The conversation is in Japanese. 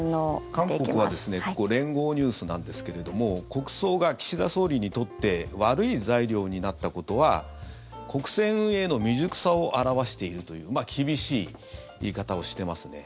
韓国は連合ニュースなんですけれども国葬が岸田総理にとって悪い材料になったことは国政運営の未熟さを表しているという厳しい言い方をしてますね。